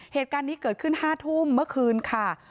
เหตุการณ์นี้เกิดขึ้น๕ทุ่มเมื่อคืนค่ะ